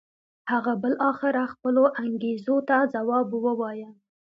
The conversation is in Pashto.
هغه بالاخره خپلو انګېزو ته ځواب و وایه.